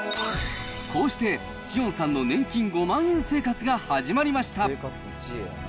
こうして紫苑さんの年金５万円生活が始まりました。